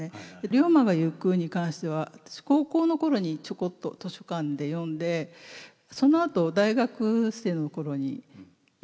「竜馬がゆく」に関しては私高校の頃にちょこっと図書館で読んでそのあと大学生の頃に読んだんです。